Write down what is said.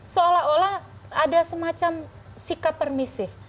seolah olah ada semacam sikap permisif